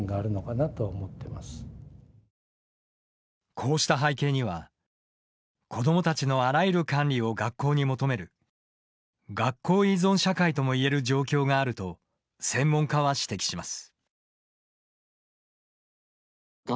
こうした背景には子どもたちのあらゆる管理を学校に求める学校依存社会ともいえる状況があると専門家は指摘します。